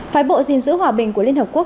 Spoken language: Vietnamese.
phái bộ gìn giữ hòa bình của liên hợp quốc